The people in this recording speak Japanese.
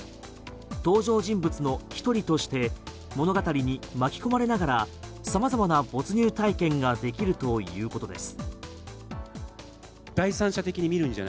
登場人物の１人として物語に巻き込まれながら様々な没入体験ができるということです。